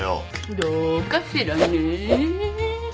どかしらねぇ。